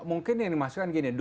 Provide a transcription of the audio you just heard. mungkin yang dimaksudkan gini